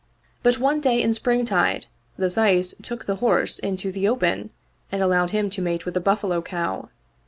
But one day in springtide the Syce took the horse into the open and allowed him to mate with a buffalo cow.